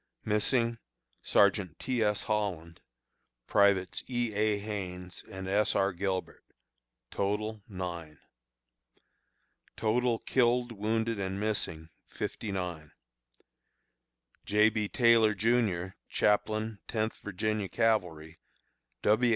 Missing: Sergeant T. S. Holland; Privates E. A. Haines and S. R. Gilbert. Total, 9. Total killed, wounded, and missing, 59. J. B. TAYLOR, JR., Chaplain Tenth Virginia Cavalry, W.